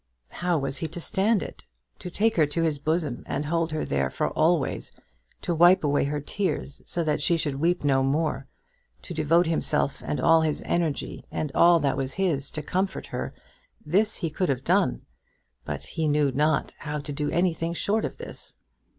How was he to stand it? To take her to his bosom and hold her there for always; to wipe away her tears so that she should weep no more; to devote himself and all his energy and all that was his to comfort her, this he could have done; but he knew not how to do anything short of this.